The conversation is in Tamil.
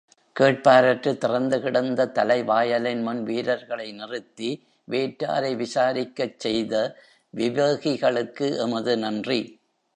கேட்பாரற்று திறந்து கிடந்த தலைவாயலின் முன் வீரர்களை நிறுத்தி வேற்றாரை விசாரிக்கச் செய்த விவேகிகளுக்கு எமது நன்றி.